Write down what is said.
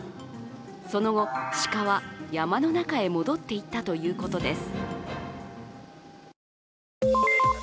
その後、鹿は山の中に戻っていったということです。